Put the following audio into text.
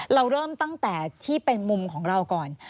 เราเริ่มตั้งแต่ที่เป็นมุมของเราก่อน